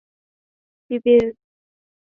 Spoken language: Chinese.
当冰河在峡谷内时则被称为线状谷底沉积。